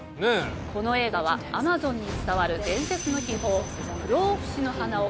この映画はアマゾンに伝わる伝説の秘宝。